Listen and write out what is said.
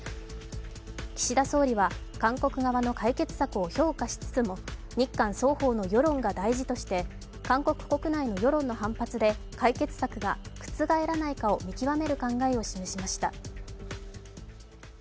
岸田総理は韓国側の解決策を評価しつつも日韓双方の世論が大事として韓国国内の世論の反発で解決策が覆らないかを見極める考えを示しました。